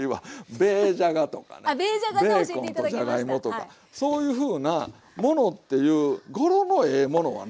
ベーコンとじゃがいもとかそういうふうなものっていう語呂のええものはね